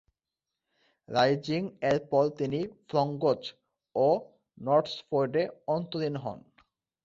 রাইজিং-এর পর তিনি ফ্রংগোচ ও নটসফোর্ডে অন্তরীণ হন।